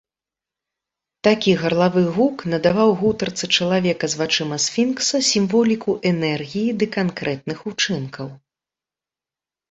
Такі гарлавы гук надаваў гутарцы чалавека з вачыма сфінкса сімволіку энергіі ды канкрэтных учынкаў.